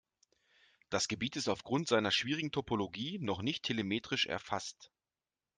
Das Gebiet ist aufgrund seiner schwierigen Topologie noch nicht telemetrisch erfasst.